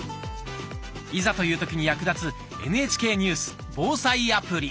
いざという時に役立つ「ＮＨＫニュース・防災アプリ」。